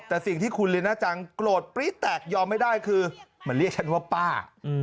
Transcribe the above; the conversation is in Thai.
แต่สิ่งที่คุณลีน่าจังโกรธปรี๊ดแตกยอมไม่ได้คือมันเรียกฉันว่าป้า